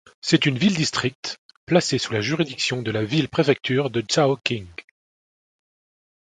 C'est une ville-district placée sous la juridiction de la ville-préfecture de Zhaoqing.